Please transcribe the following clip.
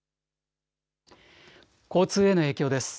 交通への影響です。